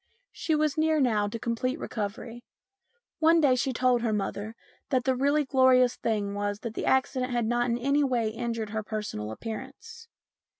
She was near now to complete recovery. One day she told her mother that the really glorious thing was that the accident had not in any way injured her personal appearance.